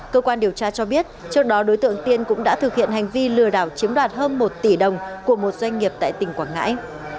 cơ quan điều tra cho biết trước đó đối tượng tiên cũng đã thực hiện hành vi lừa đảo chiếm đoạt hơn một tỷ đồng của một doanh nghiệp tại tỉnh quảng ngãi